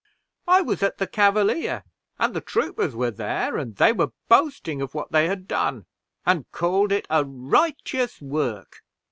"I was at the Cavalier, and the troopers were there, and they were boasting of what they had done, and called it a righteous work.